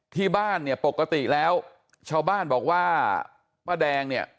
ที่บ้านเนี่ยปกติแล้วชาวบ้านบอกว่าป้าแดงเนี่ย